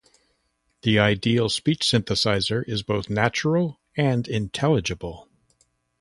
The ideal speech synthesizer is both natural and intelligible.